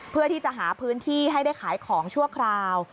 เพื่อที่จะหาพื้นที่ให้ได้ขายของชั่วคราว